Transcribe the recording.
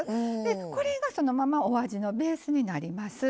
これがそのままお味のベースになります。